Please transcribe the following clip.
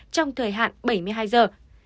trong thời hạn bảy mươi hai giờ